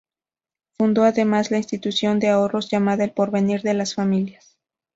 Fundó además la institución de ahorros llamada "El porvenir de las familias".